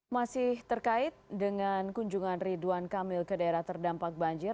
masih terkait dengan kunjungan ridwan kamil ke daerah terdampak banjir